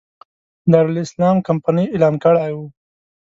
دارالسلام کمپنۍ اعلان کړی و.